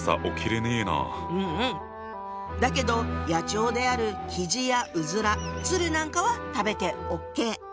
だけど野鳥であるきじやうずら鶴なんかは食べてＯＫ。